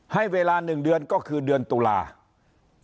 ให้เวลา๑เดือนก็คือเดือนตุลาคม